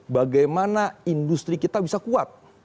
bagaimana industri kita bisa kuat